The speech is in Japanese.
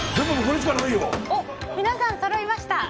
皆さん、そろいました。